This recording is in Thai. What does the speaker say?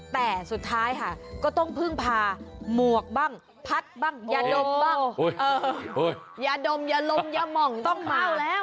แต่สุดท้ายค่ะก็ต้องพึ่งพาหมวกบ้างพัดบ้างอย่าดมบ้างอย่าดมอย่าลมอย่าหม่องต้องเมาแล้ว